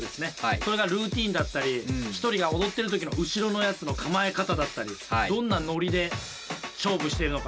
それがルーティーンだったり１人が踊ってる時の後ろのやつの構え方だったりどんなノリで勝負しているのか。